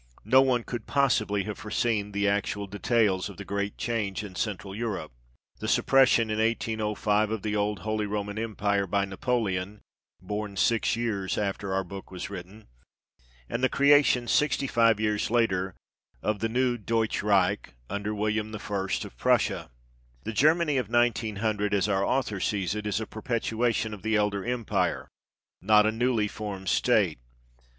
No one could possibly have foreseen the actual details of the great change in Central Europe the suppression, in 1805, of the old " Holy Roman Empire " by Napoleon (born six years after our book was written), and the creation, sixty five years later, of the new Deutsches Reich under William I. of Prussia. The Germany of 1900, as our author sees it, is a perpetuation of the elder empire, not a newly formed state.